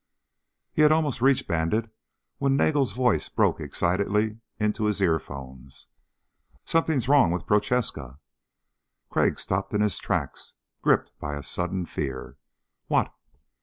He had almost reached Bandit when Nagel's voice broke excitedly into his earphones. "Something's wrong with Prochaska!" Crag stopped in his tracks, gripped by a sudden fear. "What?"